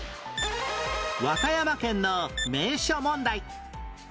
和歌山県の名所問題